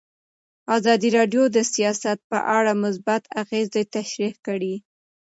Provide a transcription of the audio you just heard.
ازادي راډیو د سیاست په اړه مثبت اغېزې تشریح کړي.